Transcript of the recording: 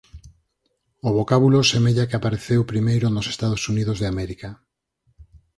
O vocábulo semella que apareceu primeiro nos Estados Unidos de América.